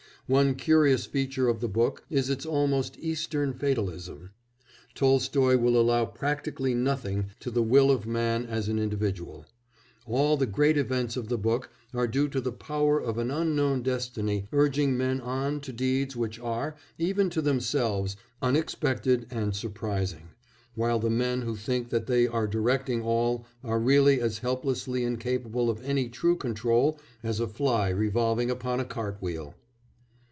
One curious feature of the book is its almost Eastern fatalism. Tolstoy will allow practically nothing to the will of man as an individual; all the great events of the book are due to the power of an unknown destiny urging men on to deeds which are, even to themselves, unexpected and surprising, while the men who think that they are directing all are really as helplessly incapable of any true control as a fly revolving upon a cart wheel.